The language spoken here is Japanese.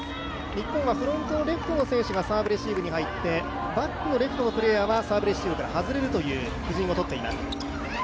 日本はフロントレフトの選手がサーブレシーブに入ってバックのレフトのプレーヤーはサーブレシーブから外れるという布陣を取っています。